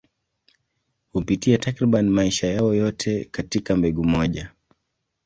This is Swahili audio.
Hupitia takriban maisha yao yote katika mbegu moja.